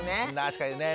確かにね。